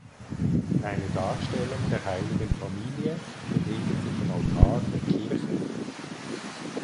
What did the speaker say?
Eine Darstellung der Heiligen Familie befindet sich im Altar der Kirche.